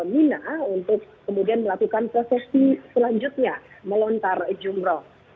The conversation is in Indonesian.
mina untuk kemudian melakukan prosesi selanjutnya melontar jumroh